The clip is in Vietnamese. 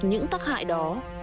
những tác hại đó